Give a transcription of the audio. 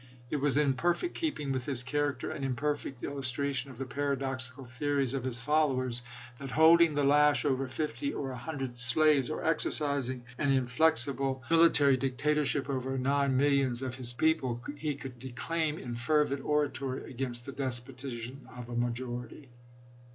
It was in perfect keeping with his char acter, and in perfect illustration of the paradoxical theories of his followers, tha.t, holding the lash over fifty or a hundred slaves, or exercising an inflexible Vol. III.— 14 210 ABEAHAM LINCOLN chap. xin. military dictatorship over nine millions of "his people," he conld declaim in fervid oratory against the despotism of a majority.